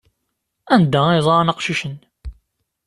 Anda ay ẓran aqcic-nni?